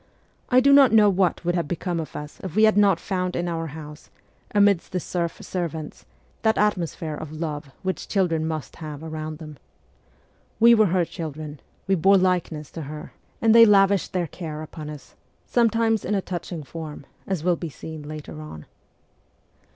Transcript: I do not know what would have become of us if we had not found in our house, amidst the serf servants, that atmosphere of love which children must have around them. We were her children, we bore likeness to her, If) MEMOIRS OF A REVOLUTIONIST and they lavished their care upon us, sometimes in a touching form, as will be seen later on.